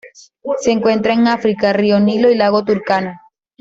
Se encuentran en África: río Nilo y lago Turkana.